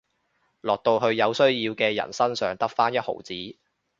落到去有需要嘅人身上得返一毫子